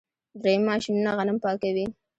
دریم ماشینونه غنم پاکوي.